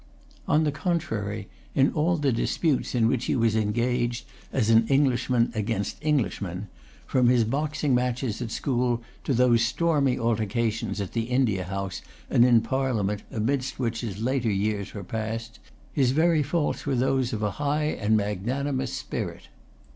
On the contrary, in all the disputes in which he was engaged as an Englishman against Englishmen, from his boxing matches at school to those stormy altercations at the India House and in Parliament amidst which his later years were passed, his very faults were those of a high and magnanimous spirit.